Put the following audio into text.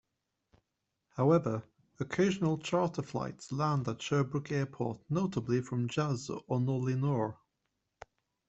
However, occasional charter flights land at Sherbrooke airport, notably from Jazz or Nolinor.